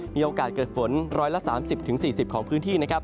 มีโอกาสเกิดฝน๑๓๐๔๐ของพื้นที่นะครับ